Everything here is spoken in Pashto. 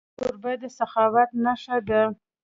کوربه د سخاوت نښه ده.